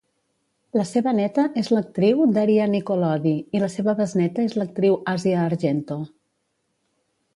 La seva neta és l'actriu Daria Nicolodi i la seva besneta és l'actriu Àsia Argento.